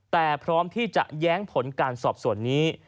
แต่พร้อมที่จะแย้งผลการสอบส่วนนี้